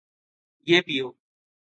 یہ پیو